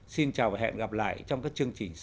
xin chào và hẹn gặp lại trong các chương trình sau